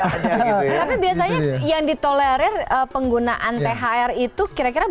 tapi biasanya yang ditolerir penggunaan thr itu kira kira berapa